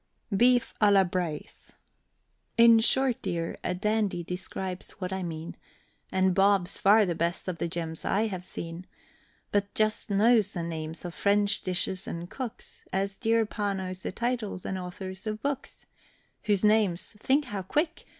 BEEF À LA BRAISE. In short, dear, "a Dandy" describes what I mean, And Bob's far the best of the gems I have seen, But just knows the names of French dishes and cooks, As dear Pa knows the titles and authors of books; Whose names, think how quick!